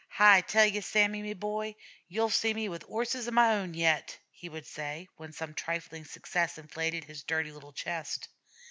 "Hi tell you, Sammy, me boy, you'll see me with 'orses of my own yet," he would say, when some trifling success inflated his dirty little chest.